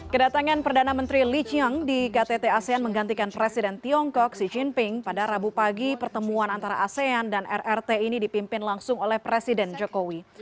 kedatangan perdana menteri lee chiang di ktt asean menggantikan presiden tiongkok xi jinping pada rabu pagi pertemuan antara asean dan rrt ini dipimpin langsung oleh presiden jokowi